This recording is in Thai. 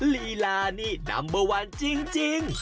ลีลานี่นัมเบอร์วันจริง